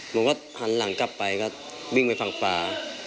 ผมก็หันหลังกลับไปก็วิ่งไปฝั่งปลา